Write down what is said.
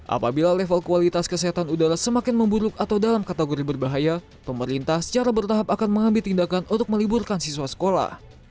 apabila level kualitas kesehatan udara semakin memburuk atau dalam kategori berbahaya pemerintah secara bertahap akan mengambil tindakan untuk meliburkan siswa sekolah